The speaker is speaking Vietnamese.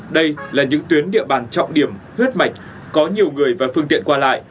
đây là những tuyến địa bàn trọng điểm huyết mạch có nhiều người và phương tiện qua lại